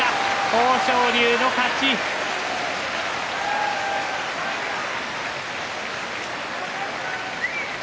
豊昇龍の勝ちです。